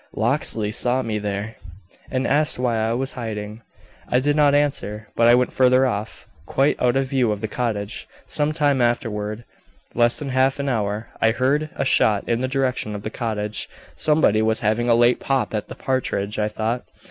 Locksley saw me there, and asked why I was hiding. I did not answer; but I went further off, quite out of view of the cottage. Some time afterward, less than half an hour, I heard a shot in the direction of the cottage. Somebody was having a late pop at the partridge, I thought.